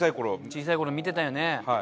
小さい頃見てたよね。